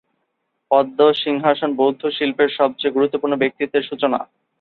পদ্ম সিংহাসন বৌদ্ধ শিল্পের সবচেয়ে গুরুত্বপূর্ণ ব্যক্তিত্বের সূচনা।